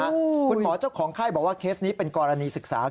คุณหมอเจ้าของไข้บอกว่าเคสนี้เป็นกรณีศึกษา